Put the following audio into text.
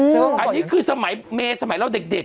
อืออันนี้คือสมัยเมฆสมัยเราเด็กเธอ